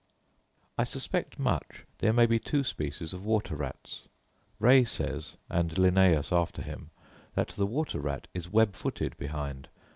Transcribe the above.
I suspect much there may be two species of water rats. Ray says, and Linnaeus after him, that the water rat is web footed behind.